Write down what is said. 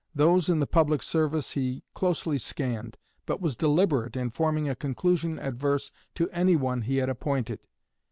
Those in the public service he closely scanned, but was deliberate in forming a conclusion adverse to any one he had appointed.